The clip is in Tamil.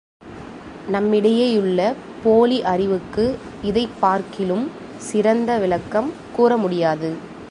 நம்மிடையேயுள்ள போலி அறிவுக்கு இதைப் பார்க்கிலும் சிறந்த விளக்கம் கூறமுடியாது.